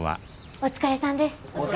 お疲れさまです。